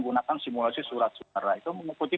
gunakan simulasi surat suara itu mengikuti